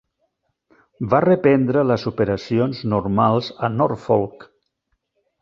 Va reprendre les operacions normals a Norfolk.